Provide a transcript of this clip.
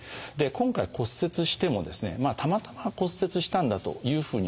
今回骨折してもですねたまたま骨折したんだというふうに思ってですね